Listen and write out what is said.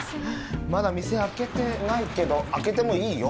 まだ店開けてないけど開けてもいいよ